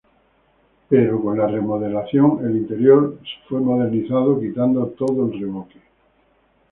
Pero con la remodelación el interior fue modernizado, quitando todo el revoque.